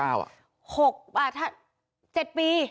๖อ่ะถ้า๗ปี